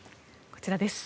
こちらです。